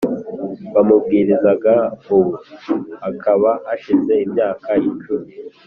bamubwirizaga ubu hakaba hashize imyaka icumi